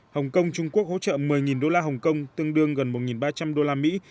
hồng kông trung quốc hỗ trợ một mươi đô la hồng kông tương đương gần một ba trăm linh đô la mỹ